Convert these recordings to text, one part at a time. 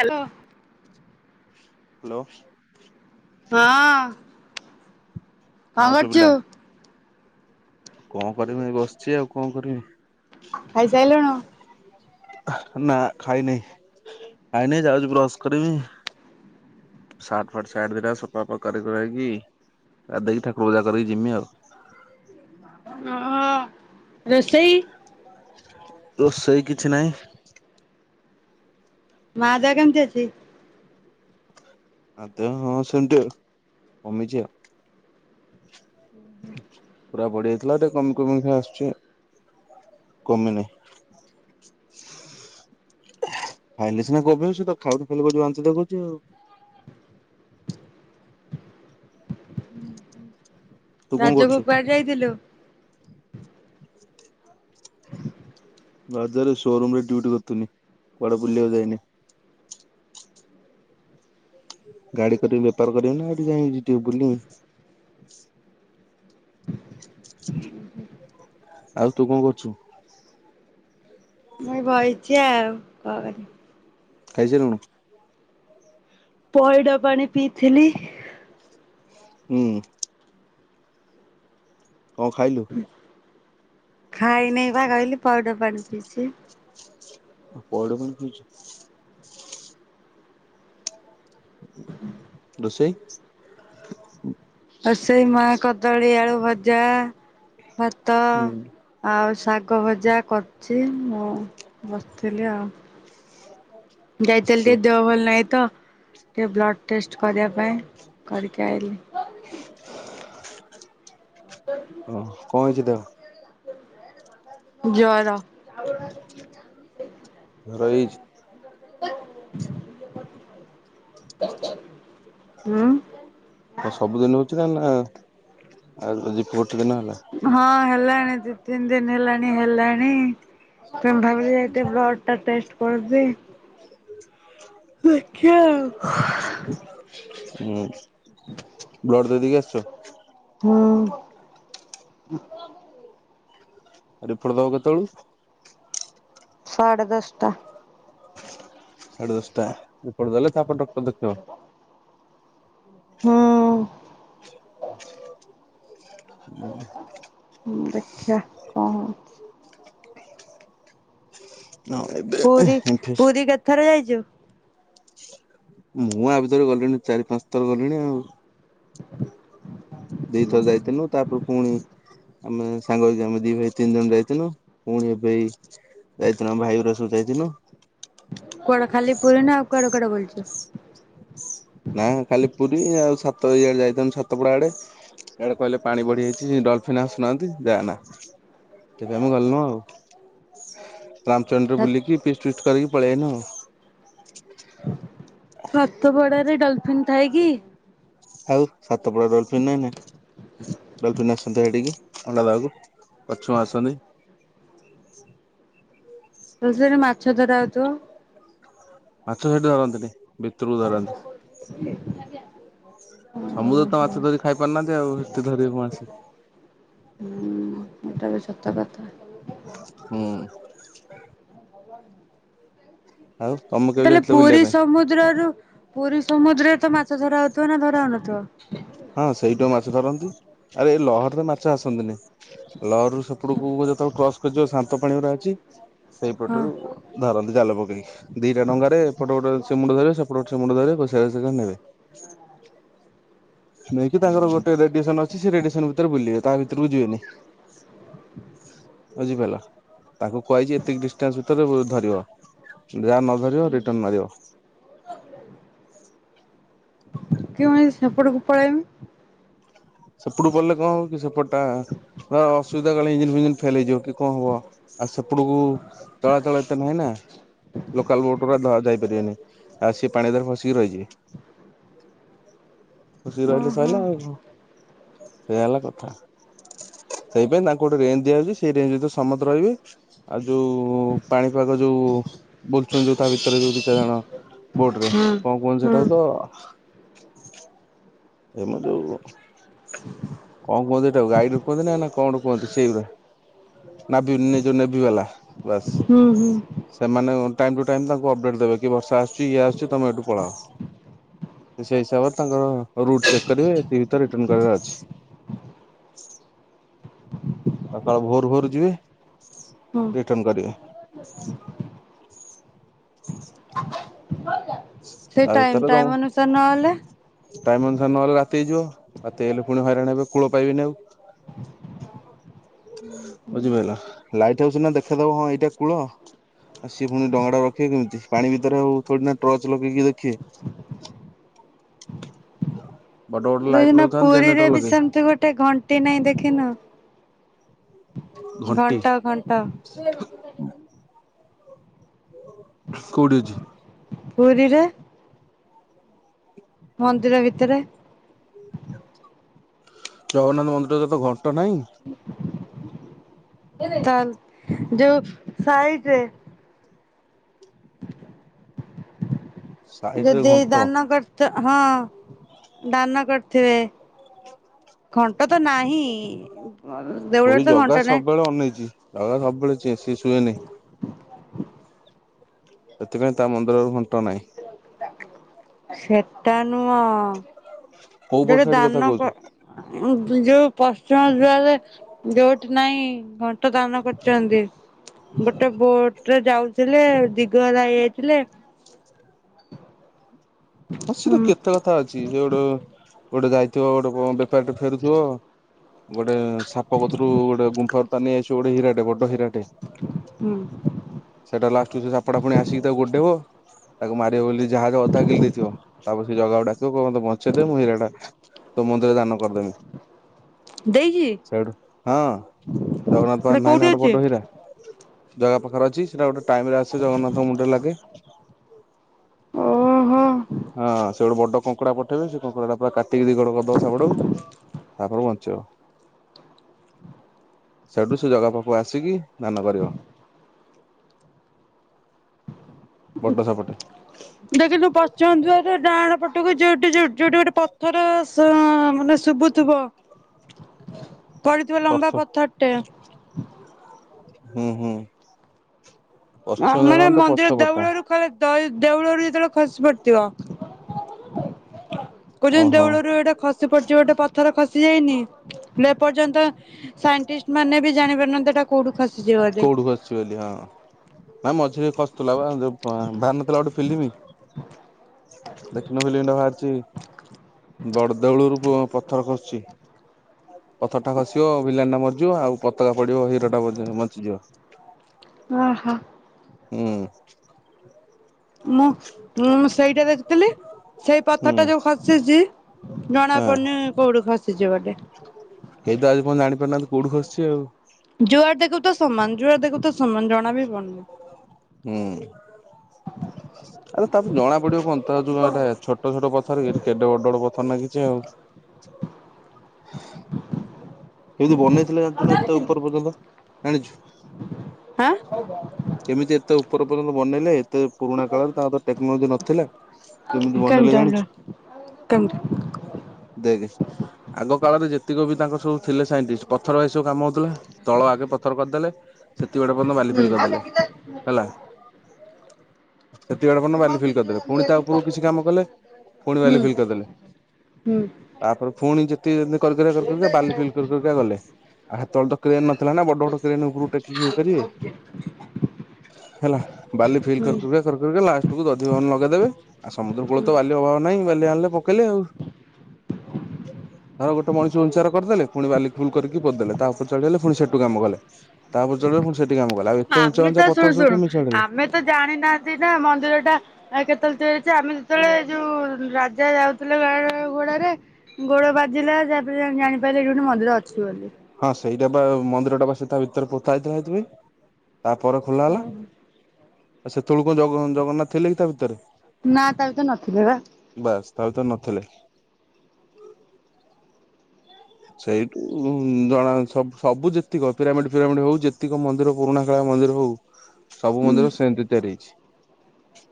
Hello. Hello. ହଁ। କଁ ହଁ ଶୁଭିଲା କର୍ଛୁ। କଣ କରିମି ଏ ବସିଛି ଆଉ କଣ କରିମି। ଖାଇ ସାଇଲୁଣୁ। ନା ଖାଇନେଇ ଖାଇନେଇ ଯାଉଛି ବ୍ରଶ କରିବି। ସଠ ଫାଟ ସାଟ୍ ଦିଟା ସଫା ଫା କରି କୁରାକି ଆ ଦେଇକି ଠାକୁର ପୂଜା କରିକି ଜିମି ଆଉ। ଅଁ ରୋଷେଇ ରୋଷେଇ କିଛି ନାହିଁ। ମା ଦେହ କେମତି ଅଛି? ମା ଦେହ ହଁ ସେମିତି ଆଉ କମିଛି ଆଉ। ପୁରା ବଢିଯାଇଥିଲା ଟିକେ କମି କମି କା ଆସୁଛି ଆଉ। କମିନିଁ। ଖାଇଲି ସିନା [unintelligible] ବାନ୍ତି ଦେଖଉଛି ଆଉ। ତୁ କଣ ରଜ କରୁଛୁ? କୁଆଡ଼େ ଯାଇଥିଲୁ? [inaudible] ରଜରେ ସୋରୁମ ରେ ଡିଉଟି କରୁଥିନି କୁଆଡେ ବୁଲିବାକୁ ଯାଇନେଇ। ଗାଡି କରିବି ବେପାର କରିବି ନାଁ ସେଠି ଯାଇ ଯିବ ବୁଲେ। ଆଉ ତୁ କଣ କରୁଚୁ? ମୁଁ ଏଇ ବଇଚି ଆଉ କହ ବାକି। ଖାଇସାଇଲୁଣୁ? ପଇଡ ପାଣି ପିଇଥିଲି। ହୁଁ। କଣ ଖାଇଲୁ? ଖାଇନେଇ ବା କହିଲି ପଇଡ ପାଣି ପିଇଚି। ଆଉ ପଇଡ ପାଣି ପିଇଚୁ। ହୁଁ ରୋଷେଇ? ରୋଷେଇ ମା କଦଳୀ ଆଳୁ ଭଜା, ଭାତ ହୁଁ ଆଉ ଶାଗ ଭଜା କରୁଚି ମୁଁ ବସିଥିଲି ଆଉ। ଯାଇଥିଲି ଆସିଛୁ ଟିକେ ଦେହ ଭଲ ନାହିଁ ତ ଟିକେ ବ୍ଲଡ଼୍ ଟେଷ୍ଟ୍ କରିବା ପାଇଁ କରିକି ଆଇଲି। ଓ କଣ ହେଇଚି ଦେହ? ଜର। ଜର ହିଚ୍। ଉଁ। କଣ ସବୁଦିନ ହଉଥିଲା ନାଁ ନାଁ ଆଉ ଗୋଟେ ଦିନ ହେଲା। ହଁ ହେଲାଣି ଦି ତିନି ଦିନ ହେଲାଣି ହେଲାଣି। ତମ ଭାବିଲି ଏବେ ବ୍ଲଡ୍ ଟା ଟେଷ୍ଟ୍ କରିଦିଏ। ଦେଖିଆ ଆଉ। ହୁଁ ବ୍ଲଡ଼୍ ଦେଇଦେଇକି ଆସିଚ। ହୁଁ। ରିପୋର୍ଟ ଦବ କେତଳୁ? ସାଢ଼େ ଦଶଟା। ସାଢେ ଦଶଟା ରିପୋର୍ଟ ଦେଲେ ତାପରେ ଡକ୍ଟର ଦେଖେଇବ। ହୁଁ। ଉଁ। ହୁଁ ଦେଖିଆ କଣ ହଉଛି। ନ ଏବେ ପୁରୀ ଇନଫେସ ପୁରୀ କେତେଥର ଯାଇଚୁ ମୁଁ ୟା ଭିତରେ ଗଲିଣି ଚାରି ପାଞ୍ଚ ଥର ଗଲିଣି ଆଉ। ଦିଇଥର ଯାଇଥିଲୁ ତାପରେ ପୁଣି ଆମେ ସାଙ୍ଗ ହେଇକି ଆମେ ଦି ଭାଇ ତିନି ଜଣ ଯାଇଥିଲୁ ପୁଣି ଏବେ ଏଇ ଯାଇଥିଲୁ ଆମ ଭାଇ ହେରିକା ସବୁ ଯାଇଥିଲୁ। କୁଆଡେ ଖାଲି ପୁରୀ ନାଁ ଆଉ କୁଆଡେ କୁଆଡେ ବୁଲିଚ? ନାଁ ଖାଲି ପୁରୀ ଆଉ ସାତ ଇଆଡେ ଯାଇଥାନ୍ତୁ ସାତପଡା ଆଡେ। ସିଆଡେ କହିଲେ ପାଣି ବଢିଯାଇଛି ଡଲଫିନ୍ ଆସୁନାହାନ୍ତି ଯା ନାଁ। ସେଠୁ ଆମେ ଗଲୁନୁ ଆଉ ରାମଚଣ୍ଡି ରେ ବୁଲିକି ଫିଷ୍ଟ ଫିଷ୍ଟ କରିକି ପଳେଇ ଆଇନୁ ଆଉ। ସାତପଡାରେ ଡଲଫିନ୍ ଥାଏ କି? ଆଉ ସାତପଡା ଡଲଫିନ୍ ନାଇଁ ନାଁ। ଡଲଫିନ୍ ଆସନ୍ତି ସେଠିକି ଅଣ୍ଡା ଦବାକୁ କଛିମ ଆସନ୍ତି। [inaudible] ତ ସେଠି ମାଛ ଧରା ହେଉଥିବ। ମାଛ ସେଠି ଧରନ୍ତିନି। ଭିତରକୁ ଧରନ୍ତି। [unintelligible] ନି ଆଜ୍ଞା। ସମୁଦ୍ର ରେ ତ ମାଛ ଧରିକି ଖାଇ ପାରୁନାହାନ୍ତି ଆଉ ସେଠି ଧରିବେ କଣ ସିଏ। ହୁଁ ଏଟା ବି ସତ କଥା। ହୁଁ। [inaudible] ଆଉ ତମେ କେବେ ତାହେଲେ ଯାଇଥିଲ ବୁଲିବା ପୁରୀ ପାଇଁ ସମୁଦ୍ରରୁ ପୁରୀ ସମୁଦ୍ରରେ ତ ମାଛ ଧରା ହଉଥିବ ନା ଧରା ହଉନଥିବ? ହଁ ସେଇଠୁ ମାଛ ଧରନ୍ତି ଆରେ ଏଇ ଲହରି ରେ ମାଛ ଆସନ୍ତିନି। ଲହରିରୁ ସେପଟକୁ ଯେତେବେଳେ କ୍ରସ୍ କରିଯିବ ଶାନ୍ତ ପାଣି ଗୁରା ଅଛି ହଁ ସେଇପଟରୁ ଧରନ୍ତି ଜଲ ପକେଇକି ଦିଇଟା ଡଙ୍ଗାରେ ଏପଟେ ଗୋଟେ ସେ ମୁଣ୍ଡ ଧରିବେ ସେପଟେ ସେ ଗୋଟେ ମୁଣ୍ଡ ଧରିବେ ଘୋଷାରି ଘୋଷାରିକି ନେବେ। ନେଇକି ତାଙ୍କର ଗୋଟେ ରେଡିଏସନ ଅଛି ସେ ରେଡିଏସନ ଭିତରେ ବୁଲିବେ ତା ଭିତରକୁ ଯିବେନି। ବୁଝିପାରିଲ ତାଙ୍କୁ କୁହାଯାଇଛି ଏତକି ଡିଷ୍ଟାନ୍ସ ଭିତରେ ଧରିବ। ଯାହା ନ ଧରିବ ରିଟର୍ଣ ମାରିବ। ହ। କିଉଇ ସେପଟକୁ ପଳାଇମି ସେପଟୁ ପଲେ କଣ ହବ କି ସେପଟ ଟା ବା ଅସୁବିଧା କାଳେ ଇଞ୍ଜିିନ ଫିଞ୍ଜିନ ଫେଲ ହେଇଯିବ କି କଣ ହବ। ଆଉ ସେପଟକୁ ଚଳା ଚଳ ଏତେ ନୁହେଁ ନା। ଲୋକାଲ ବୋଟା ଧ ଯାଇପାରିବେନି ଆଉ ସିଏ ପାଣି ଦରେ ଫସିକି ରହିଛି। [inaudible] ଫସିକି ରହିଲେ ଓହୋ ସରିଲା ଆଉ। ସେଇୟା ହେଲା କଥା ସେଇପାଇଁ ତାଙ୍କୁ ଗୋଟେ ରେଞ୍ଜ ଦିଆଯାଉଛି ସେଇ ରେଞ୍ଜ ଭିତରେ ସମସ୍ତ ରହିବେ। ଆଉ ଯୋଉ ପାଣିପାଗ ଯୋଉ ବୁଲୁଛନ୍ତି ଯୋଉ ତା ଭିତରେ। ଭିତରେ ଯୋଉ ଦ ଚାରି ଜଣ ବୋଟ ରେ ହଁ। କଣ କୁହନ୍ତୁ ହୁଁ ସେଟାକୁ ତ ଏମା ଯୋଉ କଣ କୁହନ୍ତି ଏଇଟାକୁ ଗାଇଡୁ କୁହନ୍ତି ନା ନା କଣ ରୁ କୁହନ୍ତି ସେଇ ପୁରା। ନଭି ଜୁ ନେଭି ବାଲା ବାସ୍। ହୁଁ ହୁଁ। ସେମାନେ ଟାଇମ ଟୁ ଟାଇମ ତାଙ୍କୁ ଅପ୍ଡେଟ ଦେବେ କି ବଷା ଆସୁଛି ଇଏ ଆସୁଛି ତମେଇଠୁ ପଳାଅ। ସେଇ ହିସାବରେ ତାଙ୍କର ରୁଟ ଚେକ୍ କରିବେ ଏତିକ ଭିତରେ ରିଟର୍ଣ କରିବାର ଅଛି। ସକାଳ ଭୋରୁ ଭୋରୁ ଯିବେ ହୁଁ। ରିଟର୍ଣ କରିବେ। ସେ ତା ଟାଇମ ଭିତରେ ତମ ଟାଇମ ଅନୁସାରେ ନହେଲେ ଟାଇମ ଅନୁସାରେ ନହେଲେ ରାତି ହେଇଯିବ ରାତି ହେଲେ ପୁଣି ହଇରାଣ ହେବେ କୂଳ ପାଇବି ଆଉ। ବୁଝିପାରିଲ ଲାଇଟ ହାଉସ ନା ଦେଖାଯାଉ ହଁ ଏଇଟା କୂଳ। ଆଉ ସିଏ ପୁଣି ଡଙ୍ଗା ରଖିବେ କେମିତି ପାଣି ଭିତରେ ଆଉ ଥଡିନା ଟର୍ଚ ଲଗେଇକି ଦେଖିବେ। ବଡ ବଡ ଲାଇଟ୍ ଦଇଦିନ ନଉଥାନ୍ତି ପୁରୀରେ ଜେନେରେଟର ବି ଲଗେଇ ସେମିତି ଗୋଟେ ଘଣ୍ଟା। ନାଇଁ ଦେଖିନ ଘଣ୍ଟି ଘଣ୍ଟା ଘଣ୍ଟ। କୋଠିଅଛି। ପୁରୀରେ। ମନ୍ଦିର ଭିତରେ। ଜଗନ୍ନାଥ ମନ୍ଦିର ଜେ ତ ଘଣ୍ଟ ନାହିଁ। ତା ଯୋଉ ସାଇଟରେ। ସାଇଡ ରେ [unintelligible] ଘଣ୍ଟ ଦାନ କରିତ -ହଁ ଦାନ କରିଥିବେ। ଘଣ୍ଟା ତ ନାହିଁ ଦେଉଳରେ ତ ଘଣ୍ଟା ନାହିଁ। ଅନେଇଚି। ଜଗା ସବୁବେଳେ ଚିଏଁ ସିଏ ଶୁଏ ନାହିଁ। ସେଥିପାଇଁ ତା ମନ୍ଦିରରୁ ଘଣ୍ଟ ନାହିଁ। ସେଟା ନୁହଁ। ହ ଯଉଠେ ଦାନ କ- ଯଉ ପଶ୍ଚିମ ଦ୍ୱାରେ ଯଉଠି ନାହିଁ ଘଣ୍ଟ ଦାନ କରୁଚନ୍ତି। ଗୋଟେ ବୋଟ୍ ରେ ଯାଉଥିଲେ ଦିଗହରା ହେଇଯାଇଥିଲେ। ହଁ ସେତ ହୁଁ କେତେ କଥା ଅଛି ସେ ଗୋଟେ- ଗୋଟେ ଯାଇଥିବ ଗୋଟେ ବେପାରୀ ଟେ ଫେରୁଥିବ ଗୋଟେ ସାପ କତିରୁ ଗୋଟେ ଗୁମ୍ଫାରୁ ତା ନେଇ ଆସିବ ଗୋଟେ ହୀରା ଟେ ବଡ ହୀରା ଟେ। ହୁଁ। ସେଇଟା ଲାଷ୍ଟକୁ ସେ ସାପ ଟା ଫୁଣି ଆସିକି ତାକୁ ଗୋଡ଼େଇବ ତାକୁ ମାରିବ ବୋଲି ଜାହାଜ ଅଧା ଗିଳି ଦେଇଥିବ। ତାପରେ ସେ ଜଗାକୁ ଡାକିବ କହିବ ମତେ ବଞ୍ଚେଇଦେ ମୁଁ ହୀରା ଟା ତୋ ମନ୍ଦିରରେ ଦାନ କରିଦେମି। ଦେଇଚି। ସେଇଠୁ ହଁ ଜଗନ୍ନାଥ ହେଲେ ପାଖରେ ନାଇଁ ନା କୋଉଠି ଗୋଟେ ଅଛି? ବଡ଼ ହୀରା। ଜଗା ପାଖରେ ଅଛି ସେଟା ଗୋଟେ ଟାଇମ୍ ରେ ଆସେ ଜଗନ୍ନାଥଙ୍କ ମୁଣ୍ଡରେ ଲାଗେ। ଓ ହୋ। ହଁ ସେ ଗୋଟେ ବଡ କଙ୍କଡା ପଠେଇବେ ସେ କଙ୍କଡା ପୁରା କା ଦି-ଦିଗଡ କରିଦବ ସାପଟାକୁ ତାପରେ ବଞ୍ଚିବ। ସେଠୁ ସେ ଜଗା ପାଖୁ ଆସିକି ଦାନ କରିବ। ବଡ ସାପଟେ [unintelligible] ପଶ୍ଚିମ ଦ୍ଵାର ଡାହାଣ ପଟକୁ ଯଉଠି ଯଉଠେ ଗୋଟେ ପ ଥର ସ -ମାନେ ଶୁବୁଥିବ ପଡିଥିବ ଅର୍ଥ ଲମ୍ବା ପଥର। ଟେ। ହୁଁ- ହୁଁ। ପଶ୍ଚିମ ମାନେ ଧରନ୍ତ ମନ୍ଦିର ପଛପଟା ଦେଉଳରୁୁ [unintelligible] ଦଇ- ଦେଉଳରୁୁ ଯେତେବେଳେ ଖସି ପଡିଥିବ। କହୁଚନ୍ତି ଓହୋ ଦେଉଳରୁ ଏଟା ଖସିପଡିଚି ଗୋଟେ ପଥର ଖସି ଯାଇନି? ଏପର୍ଯ୍ୟନ୍ତ ସାଇଣ୍ଟିଷ୍ଟ୍ ମାନେ ବି ଜାଣି ପାରୁନାହାନ୍ତି ଏଟା କଉଠୁ ଖସ୍ କଉଠୁ ଖସିଚି ବୋଲି ହଁ- ନା ମଝିରେ ଖସୁଥିଲା ବା ଯଉ କ -ବାହାରିନଥିଲା ଗୋଟେ ଫିଲିମି? ଦେଖିନୁ ଫିଲିମି ଟା ବାହାରିଚି ବଡଦେଉଳରୁ ପଥର ଖସୁଚି। ପଥର ଟା ଖସିବ ଭିଲିଆନ୍ ଟା ମରିଯିବ ଆଉ ପତକା ପଡିବ ହିରୋ ଟା ମ-ବଞ୍ଚିଯିବ। ଓ ହୋ। ହୁଁ। ମୁଁଁ -ମୁଁ ସେଇଟା ଦେଖିଥିଲି ସେଇ ହୁଁ ପଥର ଟା ଯଉ ଖସିଚି ଜଣା ହଁ ପଡୁନି କଉଠୁ ଖସିଚି ଗୋଟେ। କେହି ତ ଆଜି ପର୍ଯ୍ୟନ୍ତ ଜାଣି ପାରୁନାହାନ୍ତି କଉଠୁ ଖସିଚି ଆଉ। ଯୁଆଡେ ଦେଖିବୁ ତ ସମାନ୍ ଯୁଆଡେ ଦେଖିବୁ ସମାନ୍ ଜଣା ବି ପଡୁନି। ହୁଁ ଆରେ ତାକୁ ଜଣା ପଡିବ କଣ ତାର ଯଉ ଏଇଟା ଛଟ୍ ଛୋଟ ଛୋଟ ପଥର କି ଏଠେ କେଡେ ବଡ ବଡ ପଥର ନାଗିଚି ଆଉ। କେମିତି ବନେଇଥିଲେ ଜାଣିଚୁ ନା ଏତେ ଉପର ପର୍ଯ୍ୟନ୍ତ ଜାଣିଚୁ? ହାଁ କେମିତି ଏତେ ଉପର ପର୍ଯ୍ୟନ୍ତ ବନେଇଲେ ଏତେ ପୁରୁଣା କାଳରେ ତାଙ୍କର ତ ଟେକ୍ନୋଲୋଜି ନଥିଲା କେମିତି ବନେଇଲେ ଜାଣିଚୁ? କେମ୍ [unintelligible] ଦେଖେ, ଆଗ କାଳରେ ଯେତିକି ବି ତାଙ୍କ ସବୁ ଥିଲେ ସାଇଣ୍ଟିଷ୍ଟ ପଥର ଭାଇ ସବୁ କାମ ହେଲା, ତଳ ଆଗେ ପଥର କରିଦେଲେ। ସେତି ବଡ ପଯ୍ୟନ୍ତ ବାଲିଫିଲ କରିଦେଲେ ହେଲା। ସେତିକି ଵା ଡ ପଯ୍ୟନ୍ତ ବାଲି ଫିଲ୍ କରିଦେଲେ। ପୁଣି ତା ଉପରକୁ କିଛି କାମ କଲେ। ପୁଣି ବାଲି ଫିଲ୍ କରିଦେଲେ। ହୁ ତାପରେ ପୁଣି ଯେତିକି ଦିନ୍ କରି କରି କରି କରିକା ବାଲି ଫି [unintelligible] ଗଲେ ଆହା ସେତେବେଳେ ତ କ୍ରେନ ନଥିଲା ନା ବଡ ବଡ କ୍ରେନ ଉପରୁ ଟେକି କି ଇଏ କରିବେ। ହେଲା ବାଲି ଫିଲ୍ ହୁଁ କରି କରି କରିକା ଲାଷ୍ଟ କୁ ଦଧି ଭନ ଲଗେଇଦେବେ। ସମୁଦ୍ର କୂଳ ତ ହୁଁ। ବାଲି ଅଭାବ ନଇଁ ବାଲି ଆଣିଲେ, ପକେଇଲେ। ଆଉ ତାର ଗୋଟେ ମଣିଷ ଉଞ୍ଚାରେ କରିଦେଲେ। ପୁଣି ବାଲିି ଫୁଲ କରିକି ପୋଦେଲେ। ତା ଉପରେ ଚଳେଇଗଲେ ପୁଣି ସେଠୁ କାମ କଲେ। ତା ଉପରେ ଚଳେଇଲେ। ସେଠି କାମ କଲା। ଏତେ ଉଚ୍ଚା ଆମେ ଉଚ୍ଚା ତ ଶୁଣୁ ପଥର ସବୁ ଶୁଣୁ କେମିତି ଚଢିଲେ? ଆମେ ତ ଜାଣି ନାହାନ୍ତି ନା? ମନ୍ଦିର ଟା ଆଉ କେତେବେଳେ ତିଆରି ଅଛି? ଆମେ ଯେତେବେଳେ ଯୋଉ ରାଜା ଯାଉଥିଲେ ଗା ଘୋଡାରେ। ଗୋଡ ବାଜିଲା। ତାପରେ ଜାଣିପାରିଲେ, ଏଇଠି ଗୋଟେ ମନ୍ଦିର ଅଛି ବୋଲି। ହଁ ସେଇଟା ବା ମନ୍ଦିର ଟା। ବା ସେ ତା ଭିତରେ ପୋତା ହେଇଥିଲା। ସେଥି ପାଇଁ ତା ପରେ ଖୋଲା ହେଲା। ଆଉ ସେତେବେଳ କଣ ଜଗ ଜଗନ୍ନାଥ ଥିଲେ? କି ତା ଭିତରେ ନା, ତା ଭିତରେ ନଥିଲେ ବା। ବାସ୍। ତା ଭିତରେ ନଥିଲେ। ସେଇଠୁ ଜଣା। ସବୁ ସବୁ ଯେତିକ ପିରାମିଡ ଫିରାମିଡ ହଉ, ଯେତିକ ମନ୍ଦିର ପୁରୁଣା କାଳିଆ ମନ୍ଦିର ହଉ। [inaudible] ସବୁ ମନ୍ଦିର ସେମିତି ତିଆରି ହେଇଛି।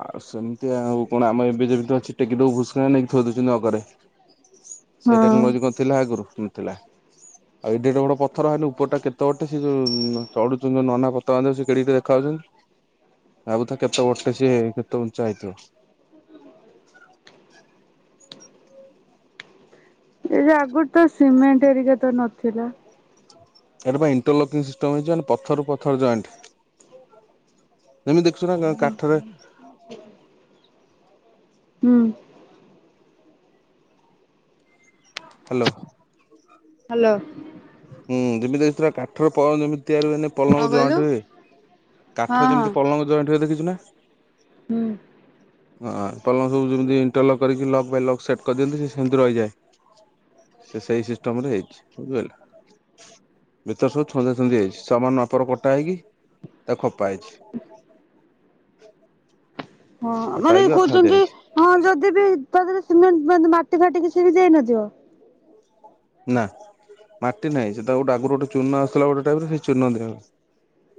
ଆଉ ସେମିତି। ଆଉ କଣ, ଆମେ ଏବେ ଯେମିତି ଅଛନ୍ତି, ଟେକି ଦୋବୁ, ଘୁସ୍ ନେଇକି ଥୋଇ ଦୋଉଛନ୍ତି। ଅଗରେ ହଁ। ସେଇଟା କଣ [unintelligible] ନ ଥିଲା [inaudible] ଆଉ ଏଡ଼େ ଏଡ଼େ ବଡ଼ ପଥର ହେଲୁ। ଉପରଟା କେତେ ବଡ଼ଟେ। ସିଏ ଯୋଉ ଚଢୁଛନ୍ତି ନନା। ବର୍ତ୍ତମାନ ସେଏ କେଡିକି ଟିକିଏ ଦେଖାଯାଉଛନ୍ତି [inaudible] ଭାବୁଥା କେତେ ଗଟେ ସିଏ କେତେ ଉଞ୍ଚା ହେଇଥିବ। ଏ ଯା ଆଗରୁ ତ ସିମେଣ୍ଟ ଏରିକା ତ ନଥିଲା। ଏଇରା ପା ଇଣ୍ଟର ଲକ ପାଇ ସିଷ୍ଟମ୍ ହେଇଛି ପଥରୁ ପଥର ଜଏଣ୍ଟ। ଏମିତି ଦେଖୁଛୁ ନା କା କାଠରେ, ହୁଁ। ହ୍ୟାଲୋ। ହ୍ୟାଲୋ। ହୁଁ ଯେମିତି ଏଥିଲା କାଠର ପ ଯେମିତି ତିଆରି ହୁଏନି କଣ ପଲଙ୍ଗ କହିଲୁ ଜଏଣ୍ଟ ହୁଏ। ହଁ କାଠରେ ଯେମିତି ପଲଙ୍ଗ ଜଏଣ୍ଟ ହୁଏ ଦେଖିଛୁ ନା। ହୁଁ। ହଁ ପଲଙ୍ଗ ସବୁ ଯେମିତି ଇଣ୍ଟର ଲକ୍ କରିକି ଲକ୍ ଲକ୍ ସେଟ୍ କରିଦିଅନ୍ତି ସେ ସେମିତି ରହିଯାଏ। ସେ ସେଇ ସିଷ୍ଟମ ରେ ହେଇଛି ବୁଝିପାରିଲ। ଭିତରେ ସବୁ ଛନ୍ଦା ଛନ୍ଦି ହେଇଛି ସମାନ ନାପରେ କଟା ହେଇକି, ତାକୁ ଖପା ହେଇଛି। ହଁ କଟା ମାନେ ହେଇକି ଅଠା କହୁଛନ୍ତି ଦିଆଯାଇଛି ହଁ ଯଦି ବି ତାହରେ ସିମେଣ୍ଟା ମାଟି ଫାଟି କିଛି ବି ଦିଆହେଇନଥିବ। ନା ମାଟି ନାହିଁ ସେଟା ଗୋଟେ ଆଗରୁ ଗୋଟେ ଚୂର୍ଣ ଆସିଥିଲା ଗୋଟେ ଟାଇପରେ ସେ ଚୂର୍ଣ୍ଣ ଦିଅ,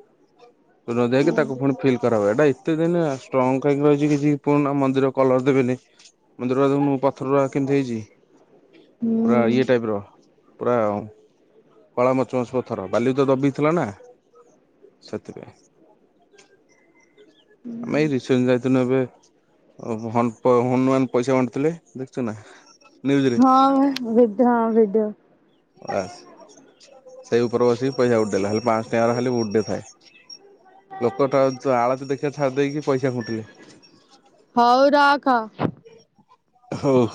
ହଁ [inaudible] ରୋ ଯାଇକି ତାକୁ ପୁଣି ଫିଲ୍ କରା ହୁଏ ଏଇଟା ଏତେ ଦିନ ଷ୍ଟ୍ରଙ୍ଗ କାହିଁକି ରହିଛି କିଛି ପୁରୁଣା ମନ୍ଦିରର କଲର ଦେବେନି, ମନ୍ଦିର [unintelligible] ପଥର ଟା କେମିତି ହେଇଛି। ହୁଁ। ଆ ଇଏ ଟାଇପ ର ପୁରା କଳା ମଚ ମଚ ପଥର ବାଲି ତ ଦବିଥିଲା ନା। ସେଥିପାଇଁ। ଆମେ ଏଇ ରିସେଣ୍ଟ ଯାଇଥିନୁ ଏବେ। ହମ୍ପ ହନୁମାନ ପଇସା ବାଣ୍ଟିଥିଲେ ଦେଖିଛୁ ନା? ନ୍ୟୁଜରେ ହଁ ବା ଭିଡ଼ ହଁ ଭିଡ଼ିଓ। ବାସ ସେଇ ଉପରେ ବସିକି ପଇସା ଉଡ଼େଇଲା ହେ ପାଁଶ ଟଙ୍କିଆରା ଖାଲି ଉଡ଼ ଥାଏ ଲୋକଟା ଆଳତି ଦେଖିବା ଛାଡ଼ି ଦେଇକି ପଇସା ଖୁଣ୍ଟିଲେ। ହଉ ରଖ। ହୋଉ।